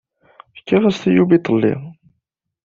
Fkiɣ-as-t i Yuba iḍelli.